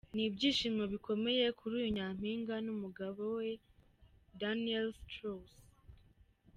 Ni ibyishimo bikomeye kuri uyu nyampinga n’umugabo we D’Niel Strauss.